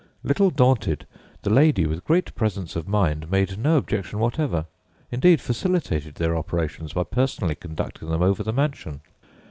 Little daunted, the lady, with great presence of mind, made no objection whatever indeed, facilitated their operations by personally conducting them over the mansion.